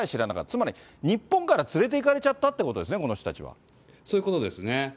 つまり日本から連れていかれちゃったってことですね、そういうことですね。